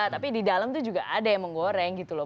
tapi di dalam itu juga ada yang menggoreng gitu loh